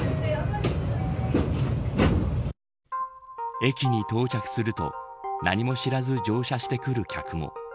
駅に到着すると何も知らず乗車してくる客も。